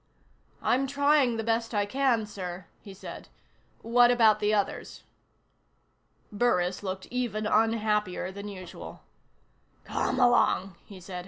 "I'm trying the best I can, sir," he said. "What about the others?" Burris looked even unhappier than usual. "Come along," he said.